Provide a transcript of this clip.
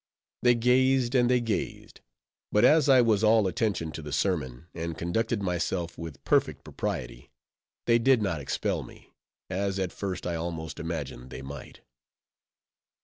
They gazed and they gazed; but as I was all attention to the sermon, and conducted myself with perfect propriety, they did not expel me, as at first I almost imagined they might.